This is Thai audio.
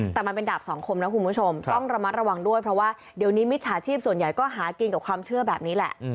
แต่มันเป็นดาบสองคมนะคุณผู้ชมต้องระมัดระวังด้วยเพราะว่าเดี๋ยวนี้มิจฉาชีพส่วนใหญ่ก็หากินกับความเชื่อแบบนี้แหละ